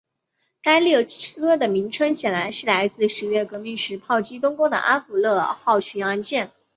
该列车的名称显然是来自十月革命时炮击冬宫的阿芙乐尔号巡洋舰。